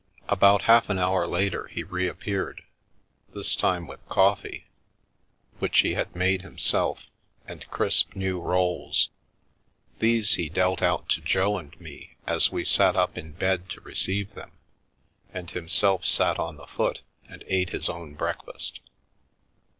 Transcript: About half an hour later he reappeared, this time with coffee, which he had made himself, and crisp new rolls. These he dealt out to Jo and me as we sat up in bed to receive them, and himself sat on the foot and ate his own breakfast.